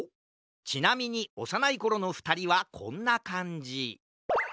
ちなみにおさないころのふたりはこんなかんじ。